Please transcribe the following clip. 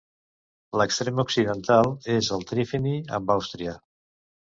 L'extrem occidental és el trifini amb Àustria.